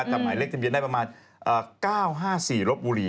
จำไหนเลขเต็มเย็นได้ประมาณ๙๕๔รบบุหรี่